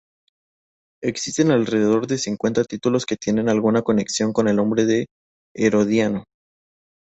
Existen alrededor de cincuenta títulos que tienen alguna conexión con el nombre de Herodiano.